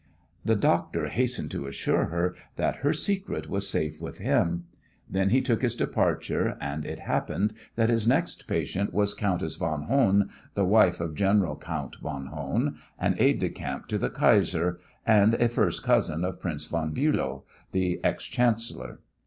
The doctor hastened to assure her that her secret was safe with him. Then he took his departure, and it happened that his next patient was Countess von Hohn, the wife of General Count von Hohn, an aide de camp to the Kaiser, and a first cousin of Prince von Bülow, the ex Chancellor.